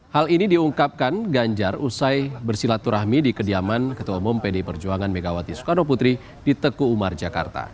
hal ini diungkapkan ganjar usai bersilaturahmi di kediaman ketua umum pdi perjuangan megawati soekarno putri di teku umar jakarta